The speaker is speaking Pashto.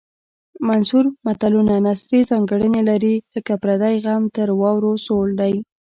منثور متلونه نثري ځانګړنې لري لکه پردی غم تر واورو سوړ دی